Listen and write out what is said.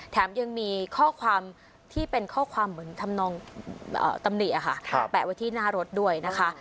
แถมยังมีข้อความที่เป็นข้อความเหมือนทำนองตำหนิค่ะแปะไว้ที่หน้ารถด้วยนะคะ